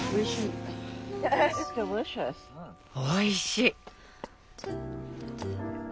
おいしい！